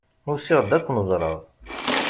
Usiɣ-d ad ken-ẓreɣ.